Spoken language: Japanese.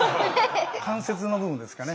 関節の部分ですかね？